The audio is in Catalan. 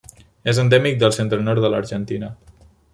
És endèmic del centre-nord de l'Argentina.